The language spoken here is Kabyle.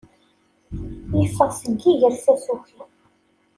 Iffeɣ seg iger s asuki.